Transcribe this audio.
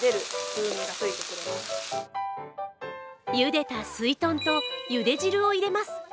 茹でたすいとんと茹で汁を入れます。